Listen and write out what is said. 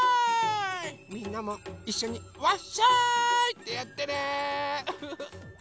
みんなもいっしょにワッショーイ！ってやってね！